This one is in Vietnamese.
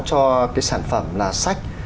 cho cái sản phẩm là sách